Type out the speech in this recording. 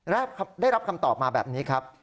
ได้รับคำตอบมาแบบนี้ครับ